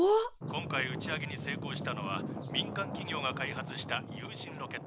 「今回打ち上げに成功したのは民間企業が開発した有人ロケットです。